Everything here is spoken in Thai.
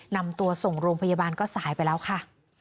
นำตัวส่งโรงพยาบาลก็สายไปแล้วค่ะ